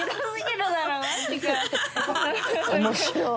面白い。